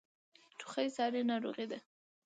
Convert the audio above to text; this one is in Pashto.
ټوخی ساری ناروغۍ ده.